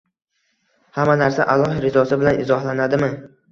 Hamma narsa Alloh rizosi bilan izohlanadimi?